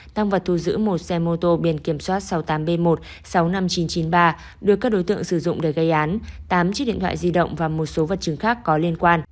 tăng vật thu giữ một xe mô tô biển kiểm soát sáu mươi tám b một sáu mươi năm nghìn chín trăm chín mươi ba được các đối tượng sử dụng để gây án tám chiếc điện thoại di động và một số vật chứng khác có liên quan